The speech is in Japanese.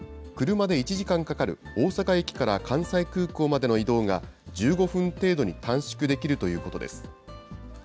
車で１時間かかる大阪駅から関西空港までの移動が、１５分程度に短縮できるということです。